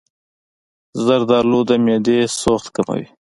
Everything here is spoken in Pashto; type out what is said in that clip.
زردآلو د معدې سوخت کموي.